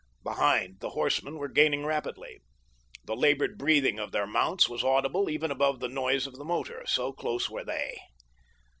Behind, the horsemen were gaining rapidly. The labored breathing of their mounts was audible even above the noise of the motor, so close were they.